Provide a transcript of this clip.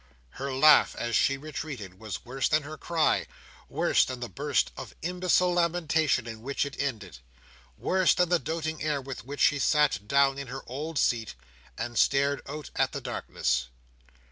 Her laugh, as she retreated, was worse than her cry; worse than the burst of imbecile lamentation in which it ended; worse than the doting air with which she sat down in her old seat, and stared out at the darkness.